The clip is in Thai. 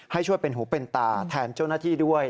ให้ช่วยเป็นหูเป็นตาแทนเจ้าหน้าที่ด้วย